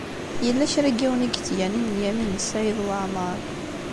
Yella kra n yiwen i yettganin Lyamin n Saɛid Waɛmeṛ.